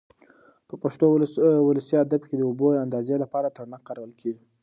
په پښتو ولسي ادب کې د اوبو د اندازې لپاره ترنګ کارول کېږي.